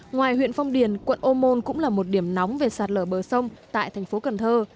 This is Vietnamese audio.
ngoài huyện phong điền quận ô môn cũng là một điểm nóng về sạt lở bờ sông tại thành phố cần thơ